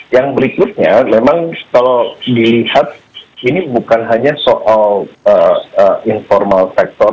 yang berikutnya memang kalau dilihat ini bukan hanya soal informal sector